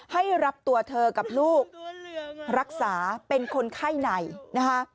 ให้รับตัวเธอกับลูกรักษาเป็นคนไข้ในนะคะ